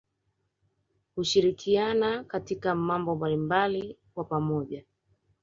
Hushirikiana katika mambo mbalimbali kwa pamoja